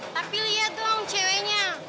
tapi liat dong ceweknya